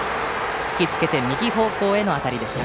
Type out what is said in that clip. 引きつけて右方向への当たりでした。